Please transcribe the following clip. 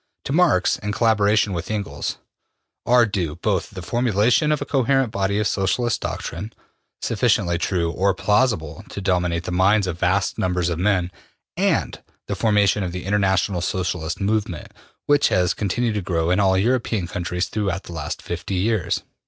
To Marx, in collaboration with Engels, are due both the formulation of a coherent body of Socialist doctrine, sufficiently true or plausible to dominate the minds of vast numbers of men, and the formation of the International Socialist movement, which has continued to grow in all European countries throughout the last fifty years.